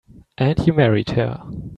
And you married her.